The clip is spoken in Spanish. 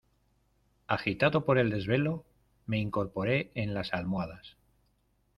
agitado por el desvelo me incorporé en las almohadas.